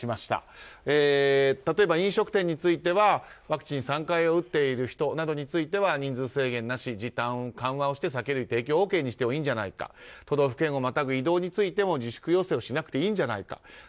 たとえば飲食店についてはワクチン３回打っている人については人数制限なし時短を緩和して酒類の提供を可にしていいんじゃないか都道府県をまたぐ移動についても自粛要請をしなくてもいいんじゃないかと。